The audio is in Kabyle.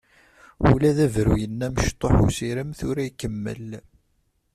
Ula d abruy-nni amecṭuḥ n usirem tura ikemmel.